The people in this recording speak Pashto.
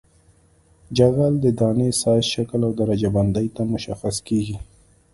جغل د دانې سایز شکل او درجه بندۍ ته مشخص کیږي